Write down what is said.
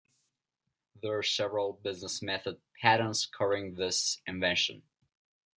There are several business method patents covering this invention.